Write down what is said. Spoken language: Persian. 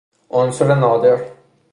عنصر نادر